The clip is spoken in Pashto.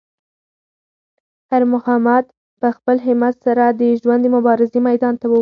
خیر محمد په خپل همت سره د ژوند د مبارزې میدان ته وووت.